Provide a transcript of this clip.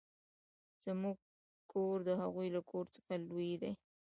زموږ کور د هغوې له کور څخه لوي ده.